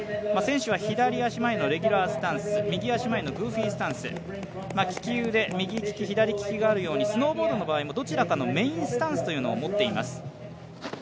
選手は左足前のレギュラースタンス、右足前のグーフィースタンス利き腕右利き、左利きもあるようにスノーボードの場合も、どちらかのメインスタンスを持っています